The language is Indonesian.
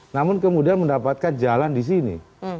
namun kemudian mendapatkan jalan di sini